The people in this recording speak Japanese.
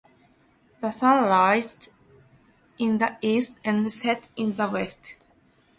The sun rises in the east and sets in the west.